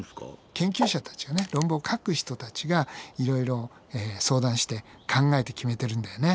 研究者たちがね論文を書く人たちがいろいろ相談して考えて決めてるんだよね。